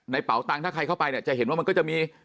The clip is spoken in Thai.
เป๋าตังค์ถ้าใครเข้าไปเนี่ยจะเห็นว่ามันก็จะมี